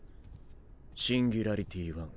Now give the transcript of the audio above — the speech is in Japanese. シンギュラリティ・ワン。